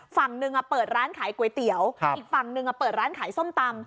ฝั่งหนึ่งเปิดร้านขายก๋วยเตี๋ยวอีกฝั่งหนึ่งเปิดร้านขายส้มตำ